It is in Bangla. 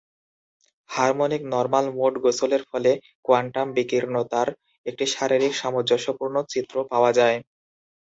হারমোনিক নরমাল মোড গোসলের ফলে কোয়ান্টাম বিকীর্ণতার একটি শারীরিক সামঞ্জস্যপূর্ণ চিত্র পাওয়া যায়।